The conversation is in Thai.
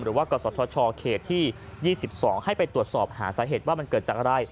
กศธชเขตที่๒๒ให้ไปตรวจสอบหาสาเหตุว่ามันเกิดจากอะไร